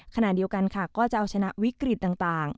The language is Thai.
ขณะเดียวกันค่ะก็จะเอาชนะวิกฤตต่าง